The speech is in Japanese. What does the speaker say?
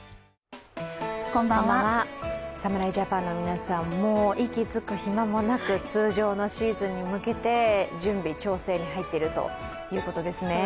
侍ジャパンの皆さん、もう息つく暇もなく通常のシーズンに向けて準備・調整に入っているということですね。